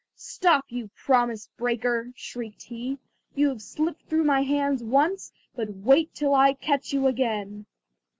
"Stop, you promise breaker," shrieked he; "you have slipped through my hands once, but wait till I catch you again!"